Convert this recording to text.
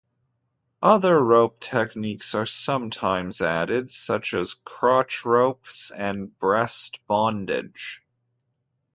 Other rope techniques are sometimes added such as crotch ropes and breast bondage.